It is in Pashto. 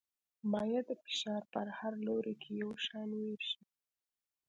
مایع د فشار په هر لوري کې یو شان وېشي.